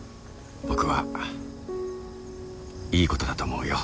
僕はいいことだと思うよ。